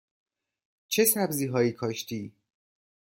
چه سبزی هایی کاشتی؟